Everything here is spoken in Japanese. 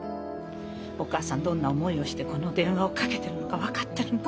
お母さんどんな思いをしてこの電話をかけてるのか分かってるの？